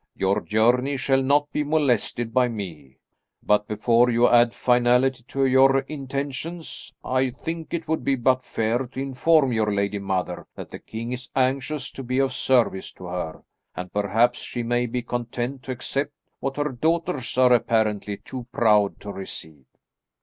Your journey shall not be molested by me. But, before you add finality to your intentions, I think it would be but fair to inform your lady mother that the king is anxious to be of service to her, and perhaps she may be content to accept what her daughters are apparently too proud to receive."